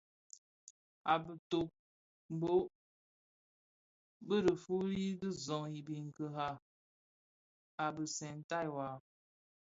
A kitömbö bi dhi fuli di zoň i biňkira a bisèntaï waa.